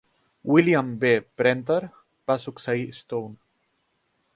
William B. Prenter va succeir Stone.